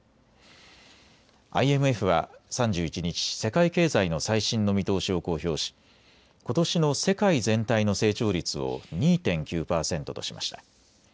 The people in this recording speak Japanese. ＩＭＦは３１日、世界経済の最新の見通しを公表しことしの世界全体の成長率を２．９％としました。